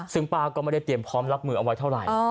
ซึ่งป้าก็ไม่ได้เตรียมพร้อมรับมือเอาไว้เท่าไหร่